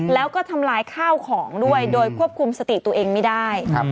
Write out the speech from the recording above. แล้วก็ทำลายข้าวของด้วยโดยควบคุมสติตัวเองไม่ได้